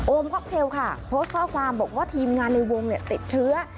ค็อกเทลค่ะโพสต์ข้อความบอกว่าทีมงานในวงติดเชื้อ